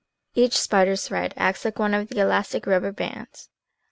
Each spider's thread acts like one of the elastic rubber bands.